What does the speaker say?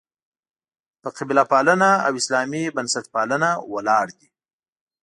په «قبیله پالنه» او «اسلامي بنسټپالنه» ولاړ دي.